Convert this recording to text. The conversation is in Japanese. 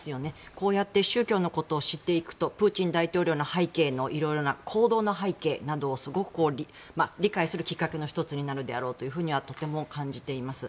こうやって宗教のことを知っていくとプーチン大統領の背景行動の背景などを理解するきっかけの１つになるだろうということはとても感じています。